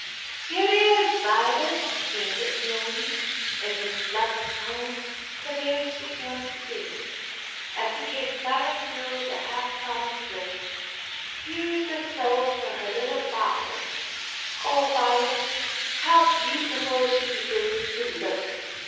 "Here it is, Violet!" answered Peony, in his bluff tone but a very sweet tone, too as he came floundering through the half trodden drifts. "Here is the snow for her little bosom. O Violet, how beau ti ful she begins to look!"